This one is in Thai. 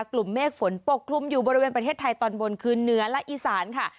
กลุ่มเมฆฝนปกคลุมอยู่บริเวณประเทศไทยตอนบนคือเหนือและอีสานค่ะ